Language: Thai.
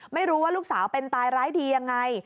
ไม่รู้ว่าลูกสาวเป็นตายร้ายดียังไง